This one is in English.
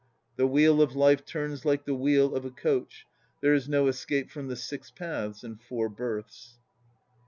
The Wheel of Life turns like the wheel of a coach; There is no escape from the Six Paths and Four Births.